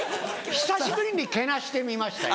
久しぶりにけなしてみましたよ。